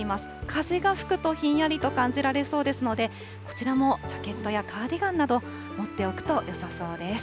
風が吹くとひんやりと感じられそうですので、こちらもジャケットやカーディガンなど、持っておくとよさそうです。